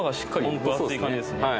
はい分厚い感じですね